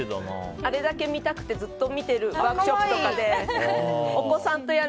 あれだけ見たくて、ずっとワークショップとかで見ている。